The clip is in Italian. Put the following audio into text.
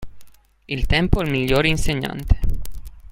Il tempo è il miglior insegnante.